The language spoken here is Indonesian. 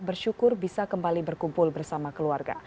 bersyukur bisa kembali berkumpul bersama keluarga